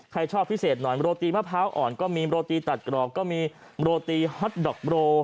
ชอบพิเศษหน่อยโรตีมะพร้าวอ่อนก็มีโรตีตัดกรอบก็มีโรตีฮอตดอกโร